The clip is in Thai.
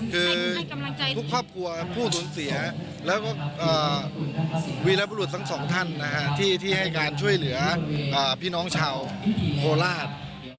คือทุกครอบครัวผู้สูญเสียแล้วก็วีรบุรุษทั้งสองท่านที่ให้การช่วยเหลือพี่น้องชาวโคราช